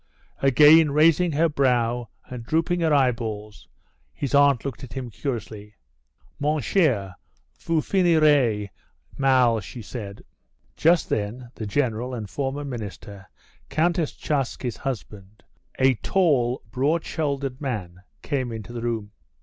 Again raising her brow and drooping her eyeballs his aunt looked at him curiously. "Mon cher vous finirez mal," she said. Just then the general, and former minister, Countess Tcharsky's husband, a tall, broad shouldered man, came into the room.